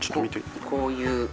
こういう。